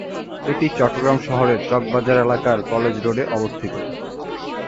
এটি চট্টগ্রাম শহরের চকবাজার এলাকার কলেজ রোডে অবস্থিত।